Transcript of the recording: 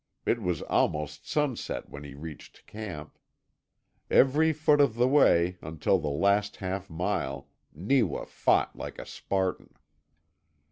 It was almost sunset when he reached camp. Every foot of the way, until the last half mile, Neewa fought like a Spartan.